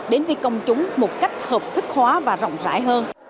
đến với công chúng một cách hợp thức hóa và rộng rãi hơn